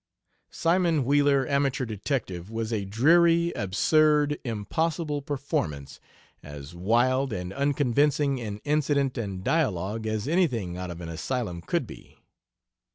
"Simon Wheeler, Amateur Detective" was a dreary, absurd, impossible performance, as wild and unconvincing in incident and dialogue as anything out of an asylum could well be.